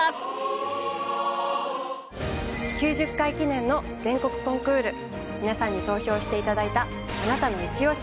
９０回記念の全国コンクール皆さんに投票して頂いた「あなたのイチオシ！